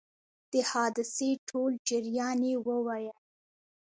د حادثې ټول جریان یې وویل.